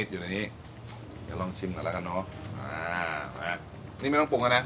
อยู่ในนี้เดี๋ยวลองชิมก่อนแล้วค่ะเนาะอ่านี่ไม่ต้องปรุงอ่ะเนี่ย